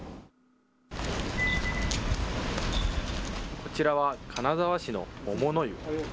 こちらは金沢市の百乃湯。